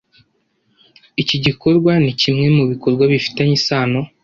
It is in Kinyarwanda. iki gikorwa ni kimwe mu bikorwa bifitanye isano